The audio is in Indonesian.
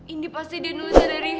ini pasti dia nulisnya dari hati